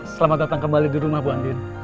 selamat datang kembali di rumah bu andin